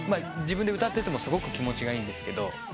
自分で歌っててもすごく気持ちがいいんですけど。